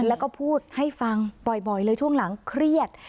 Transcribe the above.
แล้วก็พูดให้ฟังบ่อยเลยช่วงหลังเครียด